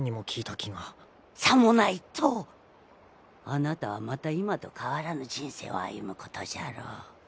あなたはまた今と変わらぬ人生を歩むことじゃろう。